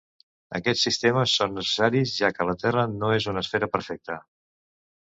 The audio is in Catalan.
Aquests sistemes són necessaris, ja que la Terra no és una esfera perfecta.